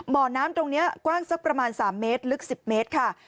บ่อน้ำตรงนี้กว้างสักประมาณ๓เมตรลึก๑๐เมตรค่ะ